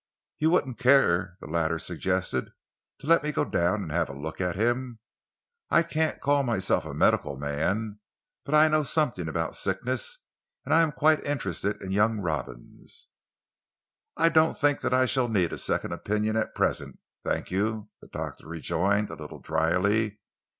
"You wouldn't care," the latter suggested, "to let me go down and have a look at him? I can't call myself a medical man, but I know something about sickness and I am quite interested in young Robins." "I don't think that I shall need a second opinion at present, thank you," the doctor rejoined, a little drily.